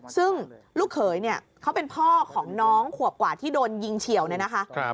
ซึ่งลูกเขยเนี่ยเขาเป็นพ่อของน้องขวบกว่าที่โดนยิงเฉียวเนี่ยนะคะ